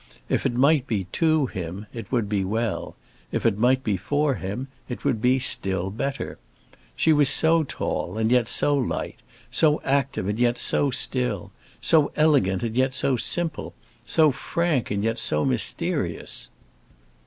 If it might be to him, it would be well; if it might be for him, it would be still better! She was so tall and yet so light, so active and yet so still, so elegant and yet so simple, so frank and yet so mysterious!